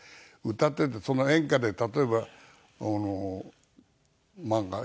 歌っててその演歌で例えばあのなんだ。